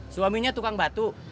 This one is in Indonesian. suaminya tukang batu